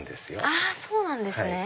あそうなんですね。